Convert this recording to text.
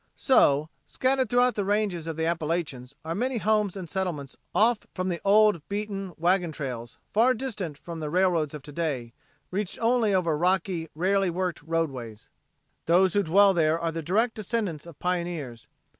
So scattered throughout the ranges of the Appalachians are many homes and settlements off from the old, beaten, wagon trails, far distant from the railroads of to day, reached only over rocky, rarely worked roadways. Those who dwell there are the direct descendants of pioneers.